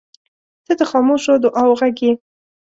• ته د خاموشو دعاوو غږ یې.